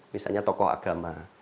misalnya tokoh agama